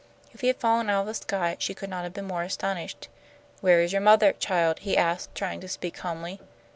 If he had fallen out of the sky she could not have been more astonished. "Where is your mother, child?" he asked, trying to speak calmly.